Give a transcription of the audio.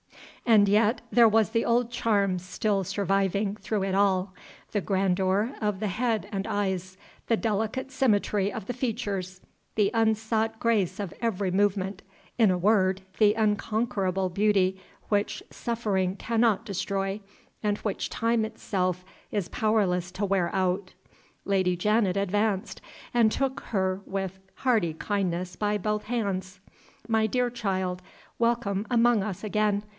And yet there was the old charm still surviving through it all; the grandeur of the head and eyes, the delicate symmetry of the features, the unsought grace of every movement in a word, the unconquerable beauty which suffering cannot destroy, and which time itself is powerless to wear out. Lady Janet advanced, and took her with hearty kindness by both hands. "My dear child, welcome among us again!